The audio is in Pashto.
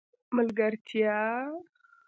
ملګرتیا